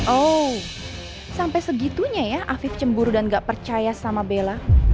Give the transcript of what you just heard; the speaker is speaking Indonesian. oh sampai segitunya ya afif cemburu dan gak percaya sama bella